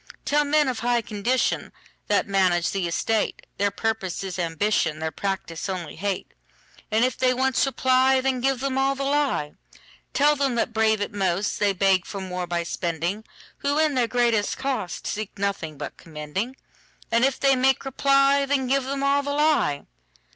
Tell men of high condition, That manage the estate, Their purpose is ambition, Their practice only hate:And if they once reply, Then give them all the lie. Tell them that brave it most, They beg for more by spending, Who, in their greatest cost, Seek nothing but commending:And if they make reply, Then give them all the lie.